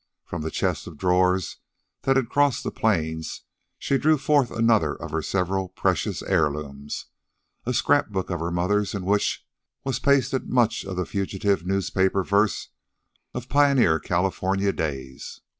From the chest of drawers that had crossed the plains she drew forth another of her several precious heirlooms a scrap book of her mother's in which was pasted much of the fugitive newspaper verse of pioneer California days.